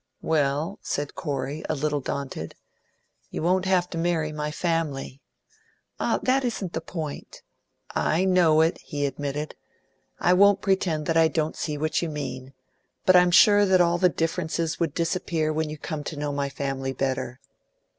"Well," said Corey, a little daunted, "you won't have to marry my family." "Ah, that isn't the point!" "I know it," he admitted. "I won't pretend that I don't see what you mean; but I'm sure that all the differences would disappear when you came to know my family better.